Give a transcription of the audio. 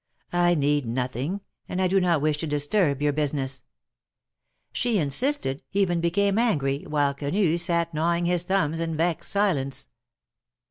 I need nothing, and I do not wish to disturb your business." She insisted, even became angry, while Quenu sat gnawing his thumbs in vexed silence.